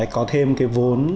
có thêm cái vốn quan hệ với con